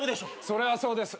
それはそうです。